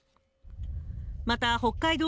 また北海道